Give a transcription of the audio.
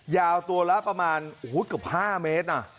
ยาวตัวละประมาณโอ้โฮกว่า๕เมตร